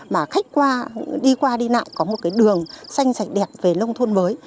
mà khách qua đi qua đi nào có một cái đường xanh sạch đẹp về lông thôn mới